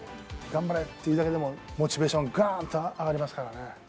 頑張れって言うだけでも、モチベーション、がーんと上がりますからね。